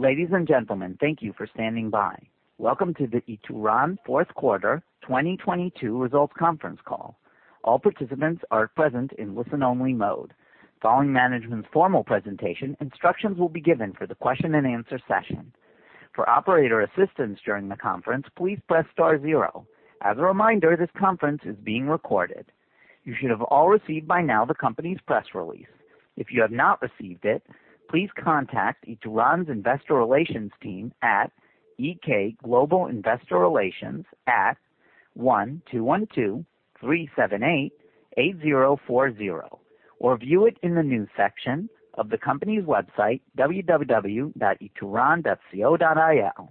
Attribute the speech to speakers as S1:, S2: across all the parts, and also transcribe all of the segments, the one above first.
S1: Ladies and gentlemen, thank you for standing by. Welcome to the Ituran fourth quarter 2022 results conference call. All participants are present in listen-only mode. Following management's formal presentation, instructions will be given for the question-and-answer session. For operator assistance during the conference, please press star zero. As a reminder, this conference is being recorded. You should have all received by now the company's press release. If you have not received it, please contact Ituran's Investor Relations team at EK Global Investor Relations at 1-212-378-8040, or view it in the News section of the company's website, www.ituran.com.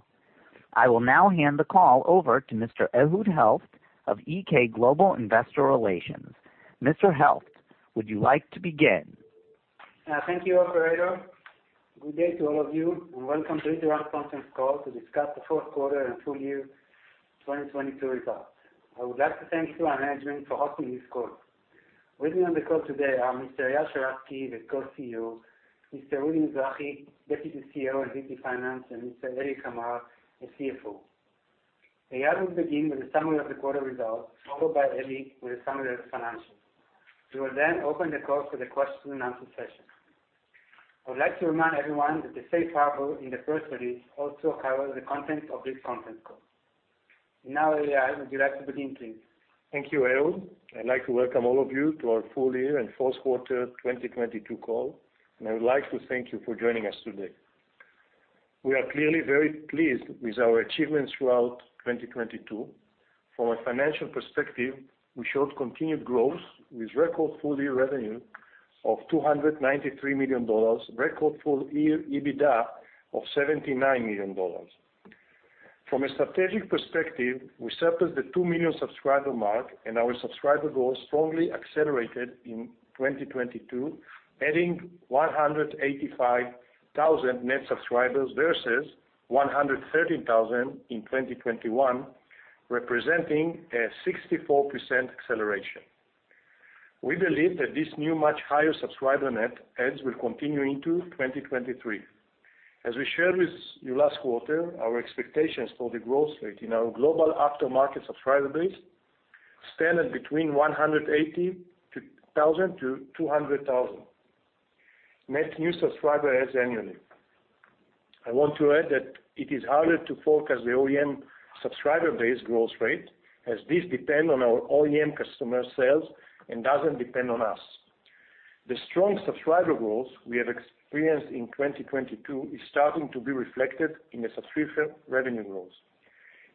S1: I will now hand the call over to Mr. Ehud Helft of EK Global Investor Relations. Mr. Helft, would you like to begin?
S2: Thank you, operator. Good day to all of you, welcome to Ituran conference call to discuss the fourth quarter and full year 2022 results. I would like to thank Ituran management for hosting this call. With me on the call today are Mr. Eyal Sheratzky, the Co-CEO, Mr. Udi Mizrahi, Deputy CEO and VP Finance, and Mr. Eli Kamer, the CFO. Eyal will begin with a summary of the quarter results, followed by Eli with a summary of the financials. We will then open the call for the question-and-answer session. I would like to remind everyone that the safe harbor in the press release also cover the content of this conference call. Eyal, would you like to begin, please?
S3: Thank you, Ehud. I'd like to welcome all of you to our full year and fourth quarter 2022 call. I would like to thank you for joining us today. We are clearly very pleased with our achievements throughout 2022. From a financial perspective, we showed continued growth with record full year revenue of $293 million, record full year EBITDA of $79 million. From a strategic perspective, we surpassed the 2 million subscriber mark. Our subscriber growth strongly accelerated in 2022, adding 185,000 net subscribers versus 113,000 in 2021, representing a 64% acceleration. We believe that this new much higher subscriber net adds will continue into 2023. As we shared with you last quarter, our expectations for the growth rate in our global aftermarket subscriber base stand at between 180,000-200,000 net new subscriber adds annually. I want to add that it is harder to forecast the OEM subscriber base growth rate as this depend on our OEM customer sales and doesn't depend on us. The strong subscriber growth we have experienced in 2022 is starting to be reflected in the subscription revenue growth,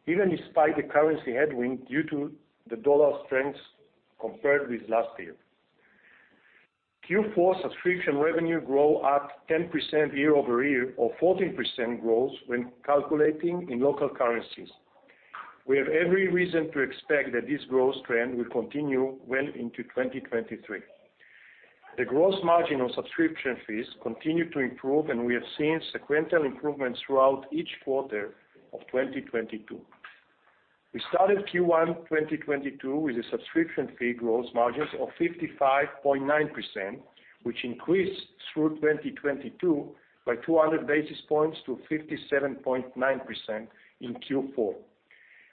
S3: even despite the currency headwind due to the dollar strength compared with last year. Q4 subscription revenue grow at 10% year-over-year or 14% growth when calculating in local currencies. We have every reason to expect that this growth trend will continue well into 2023. The gross margin on subscription fees continue to improve, and we have seen sequential improvements throughout each quarter of 2022. We started Q1 2022 with a subscription fee gross margins of 55.9%, which increased through 2022 by 200 basis points to 57.9% in Q4.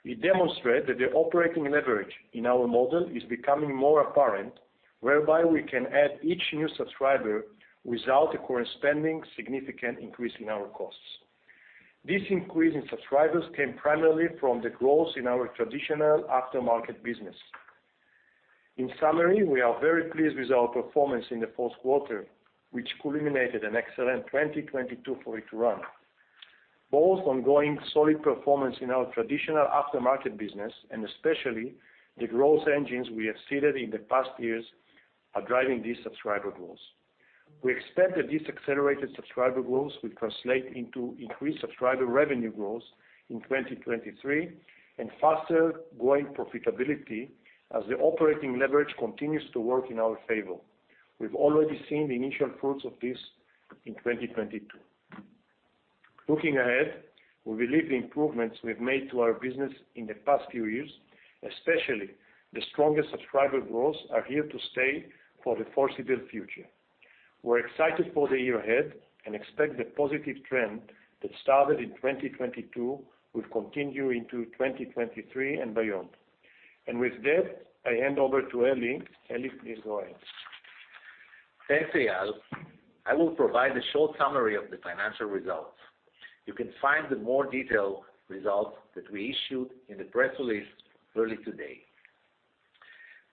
S3: We demonstrate that the operating leverage in our model is becoming more apparent, whereby we can add each new subscriber without a corresponding significant increase in our costs. This increase in subscribers came primarily from the growth in our traditional aftermarket business. In summary, we are very pleased with our performance in the fourth quarter, which culminated an excellent 2022 for Ituran. Both ongoing solid performance in our traditional aftermarket business and especially the growth engines we have seeded in the past years are driving these subscriber growth. We expect that this accelerated subscriber growth will translate into increased subscriber revenue growth in 2023 and faster growing profitability as the operating leverage continues to work in our favor. We've already seen the initial fruits of this in 2022. Looking ahead, we believe the improvements we've made to our business in the past few years, especially the stronger subscriber growth, are here to stay for the foreseeable future. We're excited for the year ahead. We expect the positive trend that started in 2022 will continue into 2023 and beyond. With that, I hand over to Eli. Eli, please go ahead.
S4: Thanks, Eyal. I will provide a short summary of the financial results. You can find the more detailed results that we issued in the press release early today.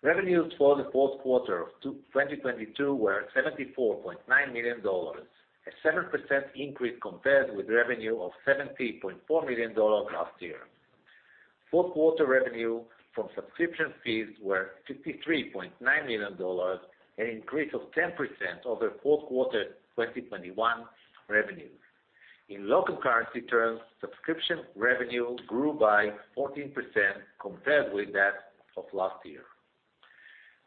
S4: Revenues for the fourth quarter of 2022 were $74.9 million, a 7% increase compared with revenue of $70.4 million last year. Fourth quarter revenue from subscription fees were $53.9 million, an increase of 10% over fourth quarter 2021 revenues. In local currency terms, subscription revenue grew by 14% compared with that of last year.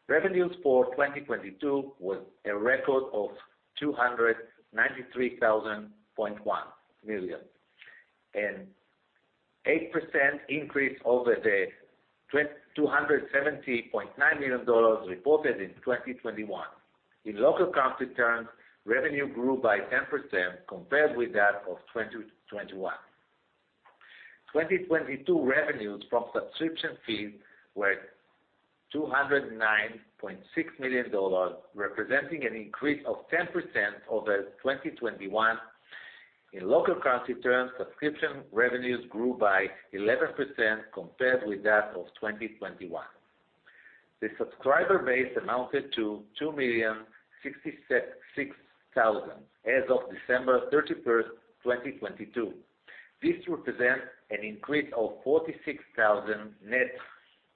S4: Revenues for 2022 was a record of $293.1 million, an 8% increase over $270.9 million reported in 2021. In local currency terms, revenue grew by 10% compared with that of 2021. 2022 revenues from subscription fees were $209.6 million, representing an increase of 10% over 2021. In local currency terms, subscription revenues grew by 11% compared with that of 2021. The subscriber base amounted to 2,066,000 as of December 31st, 2022. This represents an increase of 46,000 net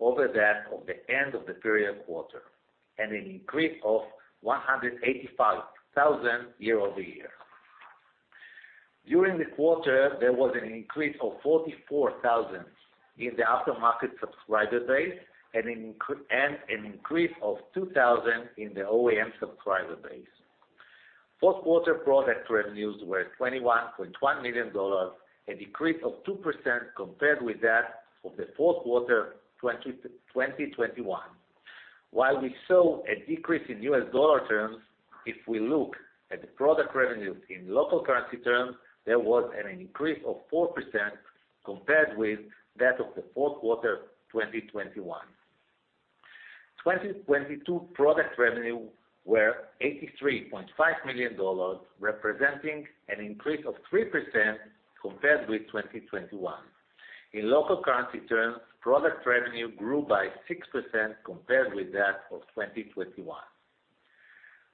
S4: over that of the end of the period quarter, and an increase of 185,000 year-over-year. During the quarter, there was an increase of 44,000 in the aftermarket subscriber base and an increase of 2,000 in the OEM subscriber base. Fourth quarter product revenues were $21.1 million, a decrease of 2% compared with that of the fourth quarter 2021. While we saw a decrease in U.S. dollar terms, if we look at the product revenue in local currency terms, there was an increase of 4% compared with that of the fourth quarter 2021. 2022 product revenue were $83.5 million, representing an increase of 3% compared with 2021. In local currency terms, product revenue grew by 6% compared with that of 2021.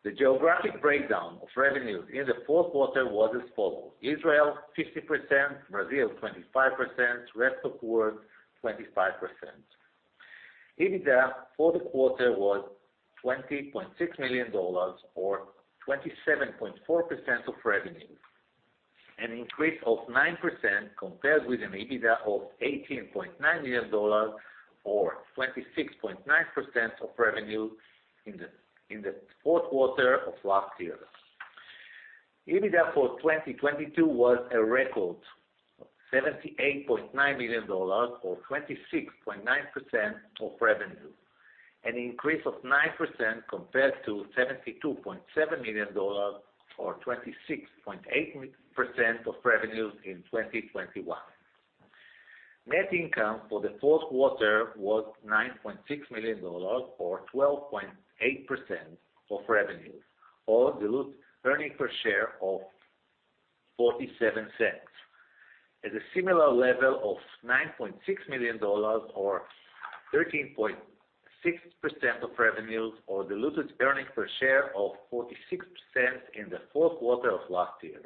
S4: The geographic breakdown of revenues in the fourth quarter was as follows: Israel, 50%; Brazil, 25%; rest of world, 25%. EBITDA for the quarter was $20.6 million or 27.4% of revenue, an increase of 9% compared with an EBITDA of $18.9 million or 26.9% of revenue in the fourth quarter of last year. EBITDA for 2022 was a record of $78.9 million or 26.9% of revenue, an increase of 9% compared to $72.7 million or 26.8% of revenues in 2021. Net income for the fourth quarter was $9.6 million or 12.8% of revenues, or diluted earnings per share of $0.47 at a similar level of $9.6 million or 13.6% of revenues, or diluted earnings per share of 46% in the fourth quarter of last year.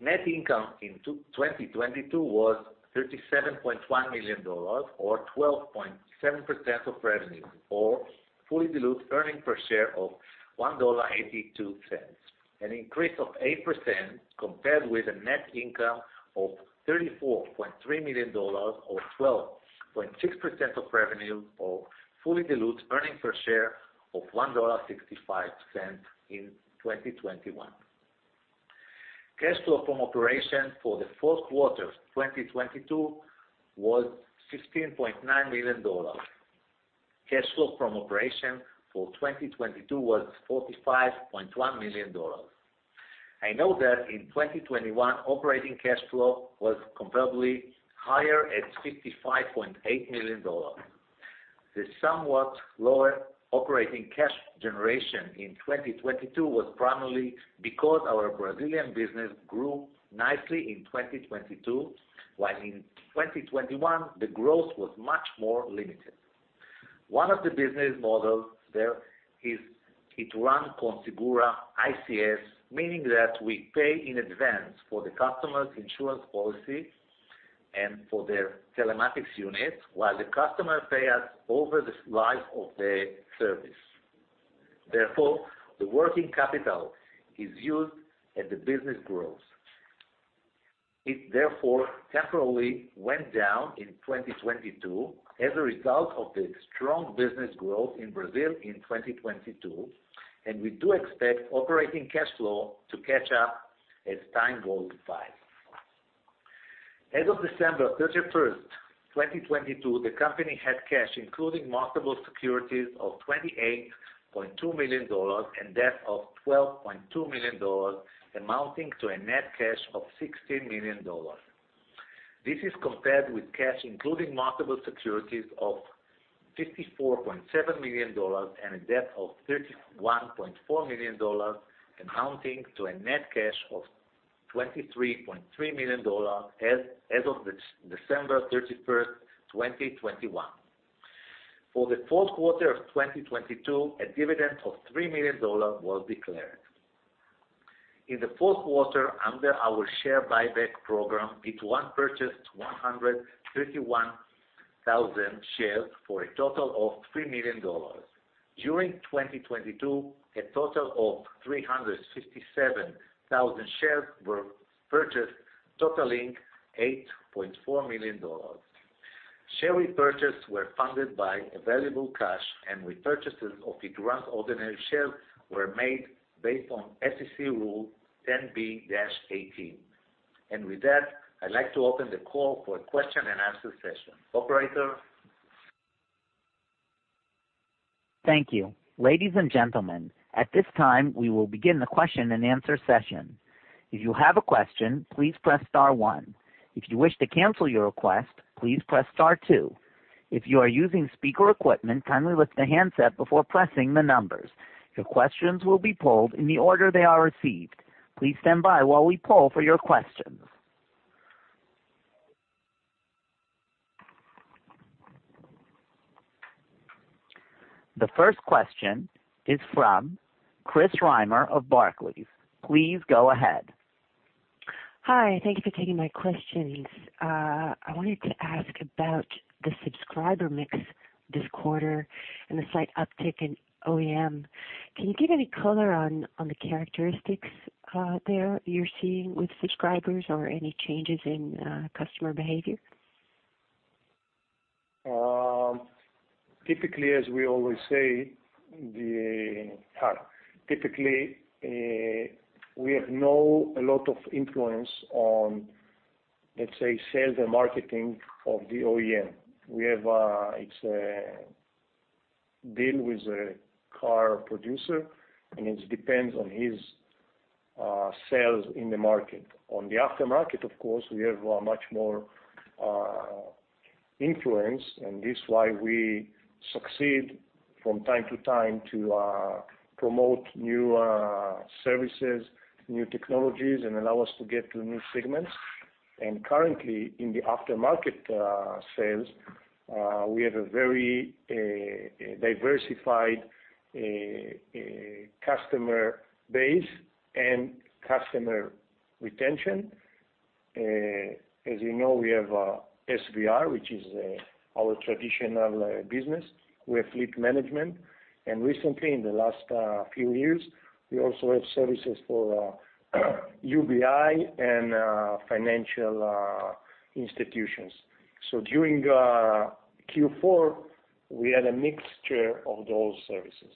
S4: Net income in 2022 was $37.1 million or 12.7% of revenue, or fully diluted earning per share of $1.82, an increase of 8% compared with a net income of $34.3 million or 12.6% of revenue, or fully diluted earning per share of $1.65 in 2021. Cash flow from operation for the fourth quarter 2022 was $16.9 million. Cash flow from operation for 2022 was $45.1 million. I know that in 2021, operating cash flow was comparably higher at $65.8 million. The somewhat lower operating cash generation in 2022 was primarily because our Brazilian business grew nicely in 2022, while in 2021, the growth was much more limited. One of the business models there is Ituran Configura ICS, meaning that we pay in advance for the customer's insurance policy and for their telematics unit, while the customer pay us over the life of the service. Therefore, the working capital is used as the business grows. It therefore temporarily went down in 2022 as a result of the strong business growth in Brazil in 2022. We do expect operating cash flow to catch up as time goes by. As of December 31st, 2022, the company had cash, including marketable securities, of $28.2 million and debt of $12.2 million, amounting to a net cash of $16 million. This is compared with cash, including marketable securities of $54.7 million and a debt of $31.4 million, amounting to a net cash of $23.3 million as of December 31st, 2021. For the fourth quarter of 2022, a dividend of $3 million was declared. In the fourth quarter, under our share buyback program, Ituran purchased 131,000 shares for a total of $3 million. During 2022, a total of 357,000 shares were purchased, totaling $8.4 million. Share repurchase were funded by available cash. Repurchases of the grant ordinary shares were made based on SEC Rule 10b-18. With that, I'd like to open the call for a question-and-answer session. Operator?
S1: Thank you. Ladies and gentlemen, at this time, we will begin the question-and-answer session. If you have a question, please press star one. If you wish to cancel your request, please press star two. If you are using speaker equipment, kindly lift the handset before pressing the numbers. Your questions will be polled in the order they are received. Please stand by while we poll for your questions. The first question is from Chris Reimer of Barclays. Please go ahead.
S5: Hi. Thank you for taking my questions. I wanted to ask about the subscriber mix this quarter and the slight uptick in OEM. Can you give any color on the characteristics there you're seeing with subscribers or any changes in customer behavior?
S3: Typically, as we always say, typically, we have no a lot of influence on sales and marketing of the OEM. We have, it's a deal with a car producer, and it depends on his sales in the market. On the aftermarket, of course, we have a much more influence, and this is why we succeed from time to time to promote new services, new technologies, and allow us to get to new segments. Currently, in the aftermarket sales, we have a very diversified customer base and customer retention. As you know, we have SVR, which is our traditional business with fleet management. Recently, in the last few years, we also have services for UBI and financial institutions. During Q4, we had a mixture of those services.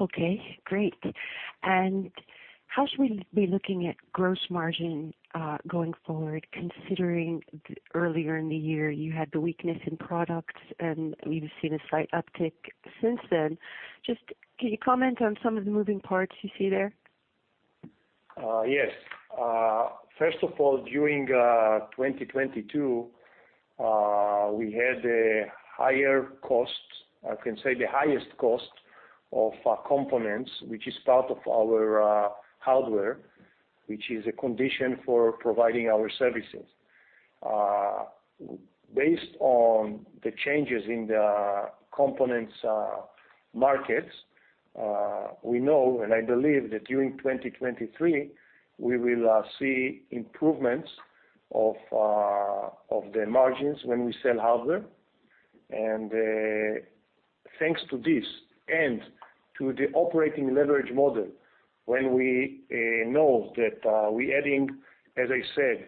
S5: Okay, great. How should we be looking at gross margin, going forward, considering earlier in the year you had the weakness in products, and we've seen a slight uptick since then? Just can you comment on some of the moving parts you see there?
S3: Yes. First of all, during 2022, we had a higher cost, I can say the highest cost of components, which is part of our hardware, which is a condition for providing our services. Based on the changes in the components markets, we know, and I believe that during 2023, we will see improvements of the margins when we sell hardware. Thanks to this and to the operating leverage model, when we know that we adding, as I said,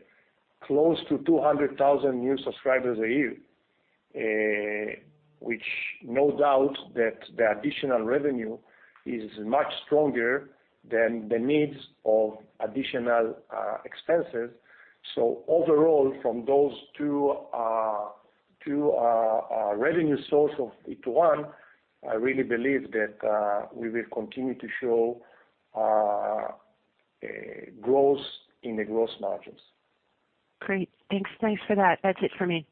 S3: close to 200,000 new subscribers a year, which no doubt that the additional revenue is much stronger than the needs of additional expenses. Overall, from those two revenue source of Ituran, I really believe that we will continue to show a growth in the gross margins.
S5: Great. Thanks. Thanks for that. That's it for me.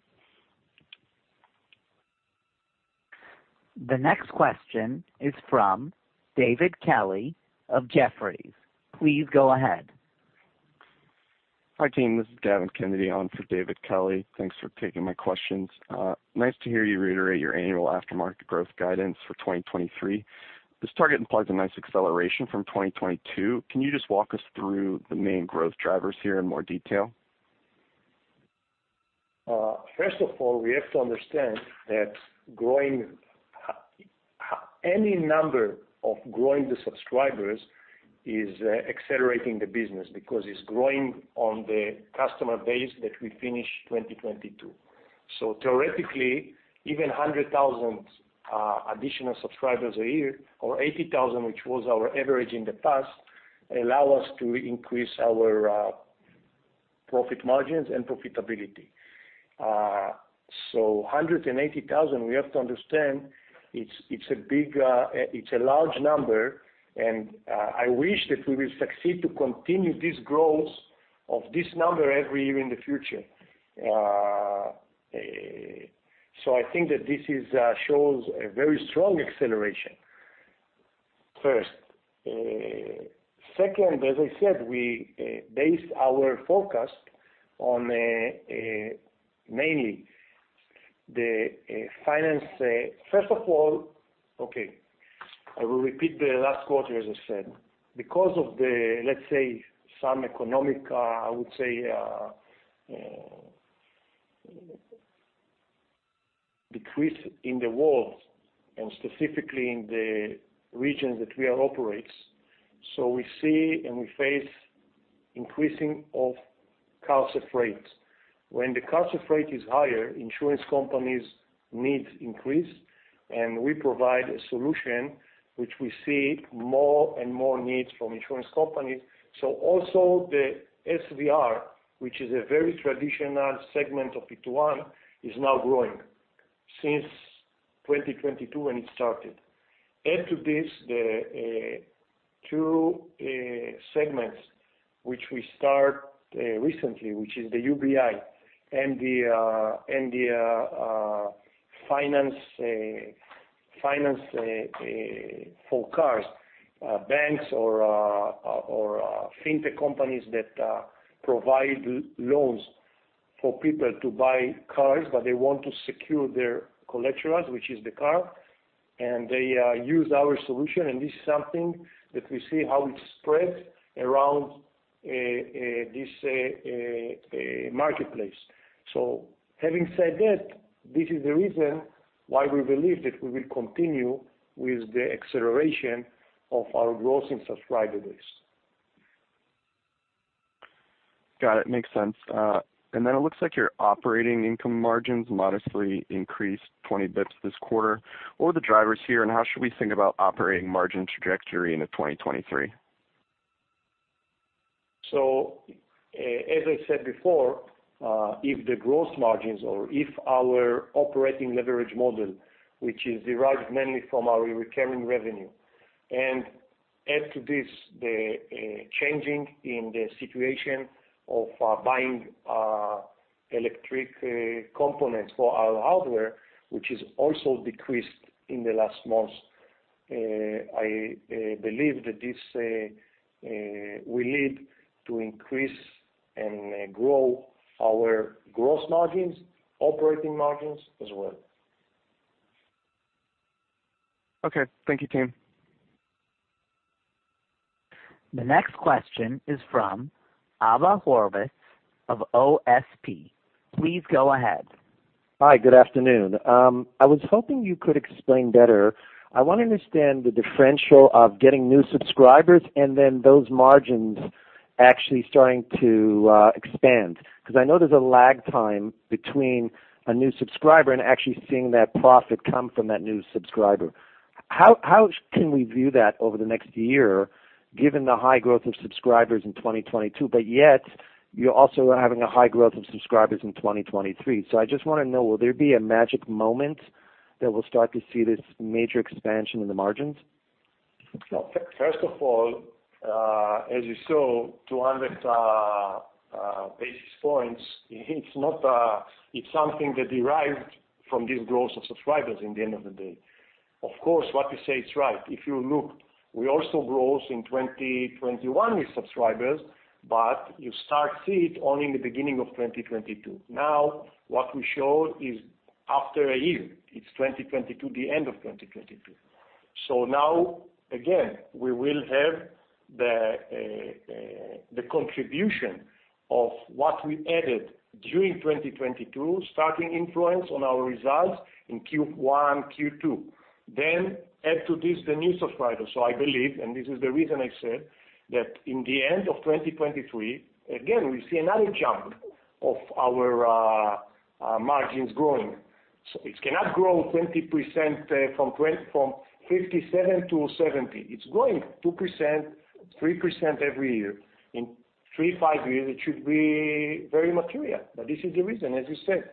S1: The next question is from David Kelley of Jefferies. Please go ahead.
S6: Hi, team. This is Gavin Kennedy on for David Kelley. Thanks for taking my questions. nice to hear you reiterate your annual aftermarket growth guidance for 2023. This target implies a nice acceleration from 2022. Can you just walk us through the main growth drivers here in more detail?
S3: First of all, we have to understand that growing any number of growing the subscribers is accelerating the business because it's growing on the customer base that we finished 2022. Theoretically, even 100,000 additional subscribers a year or 80,000, which was our average in the past, allow us to increase our profit margins and profitability. 180,000, we have to understand it's a big, it's a large number, and I wish that we will succeed to continue this growth of this number every year in the future. I think that this is shows a very strong acceleration, first. Second, as I said, we base our forecast on mainly the Okay, I will repeat the last quarter, as I said. Because of the, let's say, some economic, I would say, Decrease in the world and specifically in the regions that we are operates. We see and we face increasing of cars of freight. When the cars of freight is higher, insurance companies needs increase, and we provide a solution which we see more and more needs from insurance companies. Also the SVR, which is a very traditional segment of Ituran, is now growing since 2022 when it started. Add to this the two segments which we start recently, which is the UBI and the finance for cars, banks or fintech companies that provide loans for people to buy cars, but they want to secure their collateral, which is the car, and they use our solution, and this is something that we see how it spreads around this marketplace. Having said that, this is the reason why we believe that we will continue with the acceleration of our growth in subscriber base.
S6: Got it. Makes sense. It looks like your operating income margins modestly increased 20 bits this quarter. What were the drivers here, and how should we think about operating margin trajectory into 2023?
S3: As I said before, if the gross margins or if our operating leverage model, which is derived mainly from our recurring revenue, and add to this the changing in the situation of buying electric components for our hardware, which is also decreased in the last months, I believe that this will lead to increase and grow our gross margins, operating margins as well.
S6: Okay. Thank you, team.
S1: The next question is from Abba Horovitz of OSP. Please go ahead.
S7: Hi. Good afternoon. I was hoping you could explain better. I want to understand the differential of getting new subscribers and then those margins actually starting to expand. I know there's a lag time between a new subscriber and actually seeing that profit come from that new subscriber. How can we view that over the next year given the high growth of subscribers in 2022, but yet you're also having a high growth of subscribers in 2023? I just wanna know, will there be a magic moment that we'll start to see this major expansion in the margins?
S3: Well, first of all, as you saw, 200 basis points, it's not, it's something that derived from this growth of subscribers in the end of the day. What you say is right. If you look, we also grows in 2021 with subscribers, but you start see it only in the beginning of 2022. What we show is after a year, it's 2022, the end of 2022. Now, again, we will have the contribution of what we added during 2022, starting influence on our results in Q1, Q2. Add to this the new subscribers. I believe, and this is the reason I said, that in the end of 2023, again, we see another jump of our margins growing. It cannot grow 20%, from 57 to 70. It's growing 2%, 3% every year. In three, five years, it should be very material. This is the reason, as you said.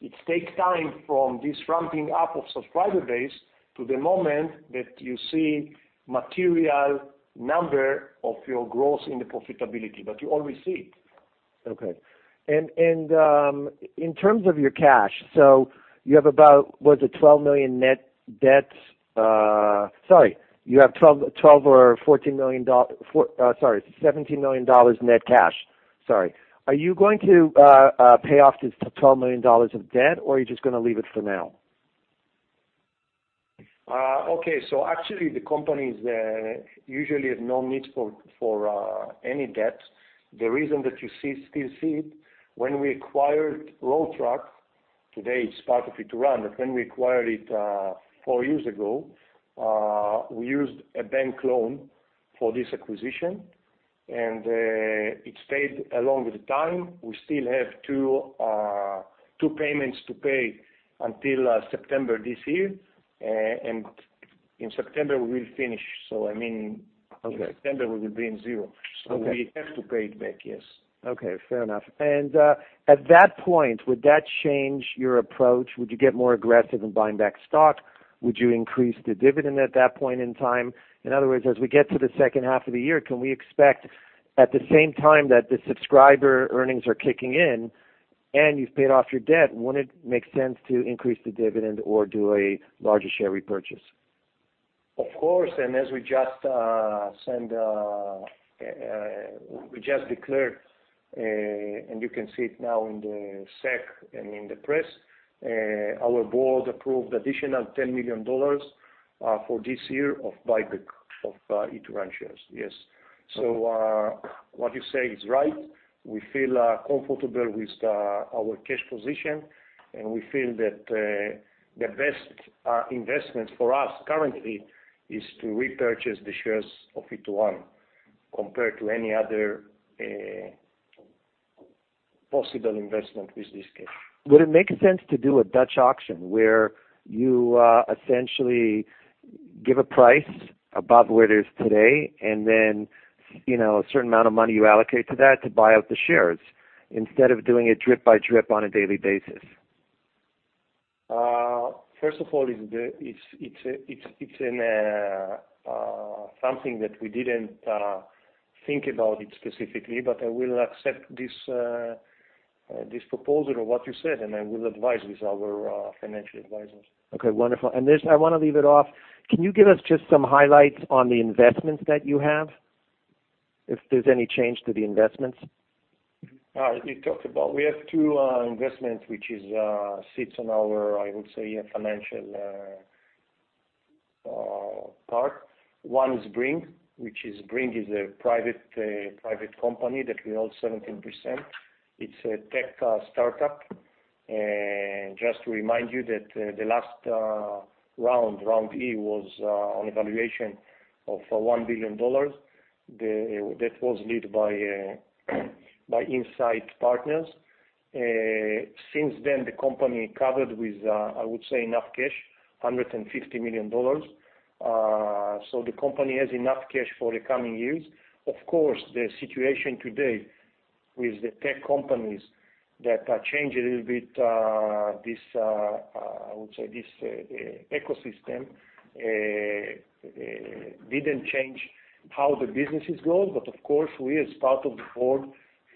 S3: It takes time from this ramping up of subscriber base to the moment that you see material number of your growth in the profitability, but you always see it.
S7: Okay. In terms of your cash, you have about, was it $12 million net debt? Sorry, you have $12 million or $14 million, sorry, $17 million net cash. Sorry. Are you going to pay off this $12 million of debt or are you just gonna leave it for now?
S3: Okay. Actually the company is usually have no need for any debt. The reason that still see it, when we acquired Road Track, today it's part of Ituran, but when we acquired it four years ago, we used a bank loan for this acquisition, it stayed along with the time. We still have two payments to pay until September this year. In September, we'll finish. I mean.
S7: Okay.
S3: in September, we will be in zero.
S7: Okay.
S3: We have to pay it back, yes.
S7: Okay, fair enough. At that point, would that change your approach? Would you get more aggressive in buying back stock? Would you increase the dividend at that point in time? In other words, as we get to the second half of the year, can we expect, at the same time that the subscriber earnings are kicking in and you've paid off your debt, wouldn't it make sense to increase the dividend or do a larger share repurchase?
S3: Of course. As we just declared, and you can see it now in the SEC and in the press, our board approved additional $10 million, for this year of buyback of, Ituran shares. Yes. What you say is right. We feel comfortable with our cash position, and we feel that the best investment for us currently is to repurchase the shares of Ituran compared to any other possible investment with this case.
S7: Would it make sense to do a Dutch auction where you, essentially give a price above where it is today, and then, you know, a certain amount of money you allocate to that to buy out the shares instead of doing it drip by drip on a daily basis?
S3: First of all, it's in something that we didn't think about it specifically, but I will accept this proposal of what you said, and I will advise with our financial advisors.
S7: Okay, wonderful. This, I wanna leave it off. Can you give us just some highlights on the investments that you have, if there's any change to the investments?
S3: We talked about. We have two investments which is sits on our, I would say, financial part. One is Bringg, which is Bringg is a private private company that we own 17%. It's a tech startup. Just to remind you that the last round, round E, was on evaluation of $1 billion. That was lead by by Insight Partners. Since then, the company covered with, I would say enough cash, $150 million. The company has enough cash for the coming years. Of course, the situation today with the tech companies that change a little bit this, I would say, this ecosystem, didn't change how the businesses go. Of course, we as part of the board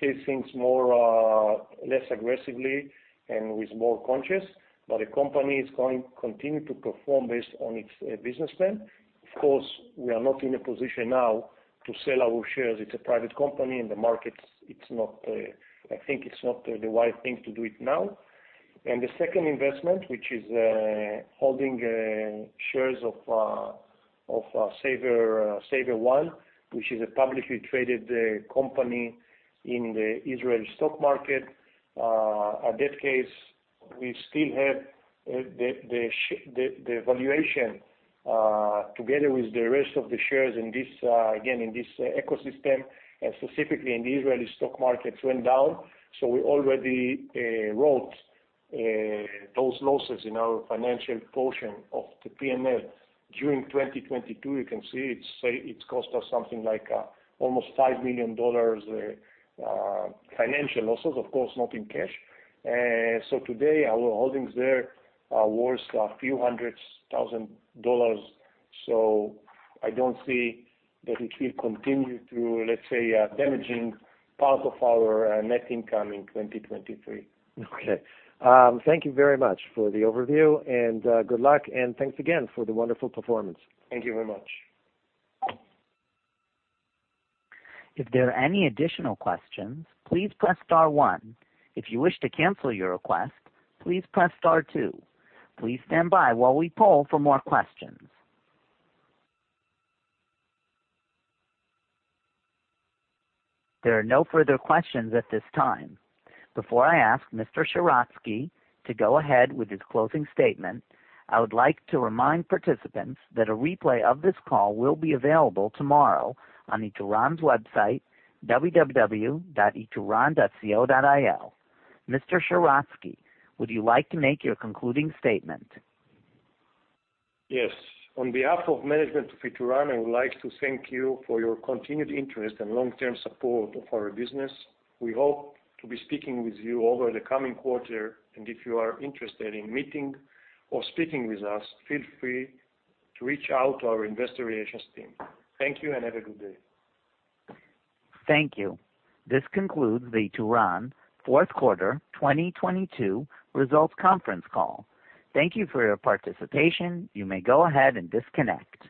S3: face things more less aggressively and with more conscious. The company is going continue to perform based on its business plan. Of course, we are not in a position now to sell our shares. It's a private company, and the markets it's not, I think it's not the wise thing to do it now. The second investment, which is holding shares of SaverOne, which is a publicly traded company in the Israeli stock market. At that case, we still have the valuation together with the rest of the shares in this again, in this ecosystem, and specifically in the Israeli stock markets went down. We already wrote those losses in our financial portion of the P&L. During 2022, you can see it say it cost us something like almost $5 million, financial losses, of course, not in cash. Today, our holdings there are worth a few hundreds thousand dollars. I don't see that it will continue to, let's say, damaging part of our net income in 2023.
S7: Okay. Thank you very much for the overview, and good luck, and thanks again for the wonderful performance.
S3: Thank you very much.
S1: If there are any additional questions, please press star one. If you wish to cancel your request, please press star two. Please stand by while we poll for more questions. There are no further questions at this time. Before I ask Mr. Sheratzky to go ahead with his closing statement, I would like to remind participants that a replay of this call will be available tomorrow on Ituran's website, www.ituran.com. Mr. Sheratzky, would you like to make your concluding statement?
S3: Yes. On behalf of management of Ituran, I would like to thank you for your continued interest and long-term support of our business. We hope to be speaking with you over the coming quarter. If you are interested in meeting or speaking with us, feel free to reach out to our investor relations team. Thank you. Have a good day.
S1: Thank you. This concludes the Ituran fourth quarter 2022 results conference call. Thank you for your participation. You may go ahead and disconnect.